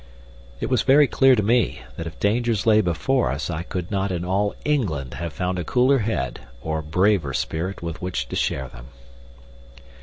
It was very clear to me that if dangers lay before us I could not in all England have found a cooler head or a braver spirit with which to share them.